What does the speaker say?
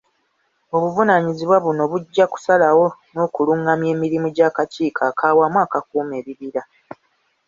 Obuvunaanyizibwa buno bujja kusalawo n'okulungamya emirimu gy'Akakiiko ak'Awamu Akakuuma Ebibira.